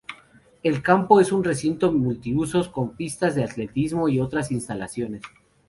El campo es un recinto multiusos, con pistas de atletismo y otras instalaciones.